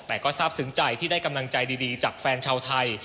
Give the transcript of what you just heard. แต่ก็ทราบซึ้งใจที่ได้กำลังใจดีจากแฟนชาวไทย